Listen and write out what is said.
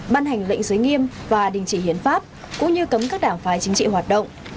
ban hành lệnh giới nghiêm và đình chỉ hiến pháp cũng như cấm các đảng phái chính trị hoạt động